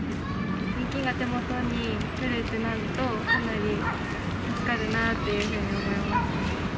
現金が手元に来るってなると、かなり助かるなっていうふうに思います。